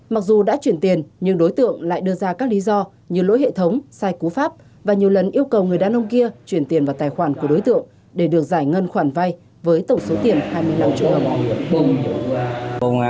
mặc dù đã chuyển tiền nhưng đối tượng lại đưa ra các lý do như lỗi hệ thống sai cú pháp và nhiều lần yêu cầu người đàn ông kia chuyển tiền vào tài khoản của đối tượng để được giải ngân khoản vay với tổng số tiền hai mươi năm triệu đồng